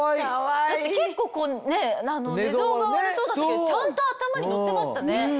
結構寝相が悪そうだったけどちゃんと頭にのってましたね。